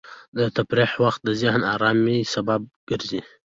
د تفریح وخت د ذهني ارامۍ سبب ګرځي.